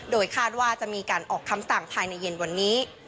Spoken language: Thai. โดยคาดว่าจะมีการออกคำสั่งภายในเย็นวันนี้